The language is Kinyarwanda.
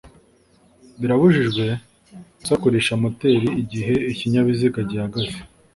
birabujijwe gusakurisha moteri igihe ikinyabiziga gihagaze.